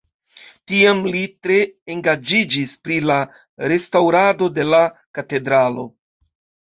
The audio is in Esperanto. Tiam li tre engaĝiĝis pri la restaŭrado de la katedralo.